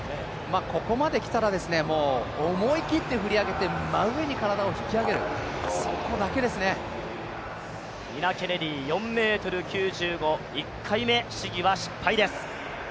ここまできたら、もう思い切って振り上げて真上に体を引き上げる、ニナ・ケネディ４ｍ９５、１回目試技は失敗です。